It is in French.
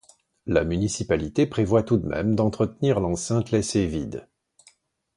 La municipalité prévoit tout de même d'entretenir l'enceinte laissée vide.